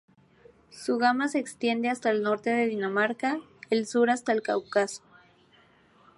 Su gama se extiende hasta el norte de Dinamarca, el sur hasta el Cáucaso.